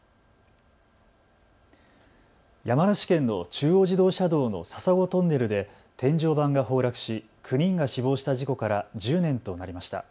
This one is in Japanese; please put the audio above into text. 山梨県の中央自動車道の笹子トンネルで天井板が崩落し９人が死亡した事故から１０年となりました。